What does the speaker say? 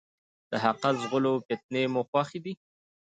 د حقه ځغلو ، فتنې مو خوښي دي.